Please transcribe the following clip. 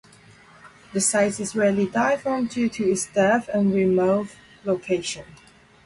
The site is rarely dived on due to its depth and remote location.